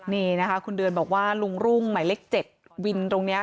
นี่นะคะคุณเดือนบอกว่าลุงรุ่งหมายเลข๗วินตรงนี้